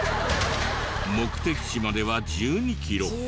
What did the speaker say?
目的地までは１２キロ。